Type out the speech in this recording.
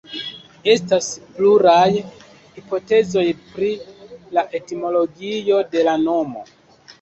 Estas pluraj hipotezoj pri la etimologio de la nomo.